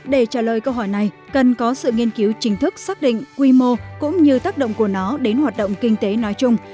để trả lời câu hỏi này cần có sự nghiên cứu chính thức xác định quy mô cũng như tác động của nó đến hoạt động kinh tế nói chung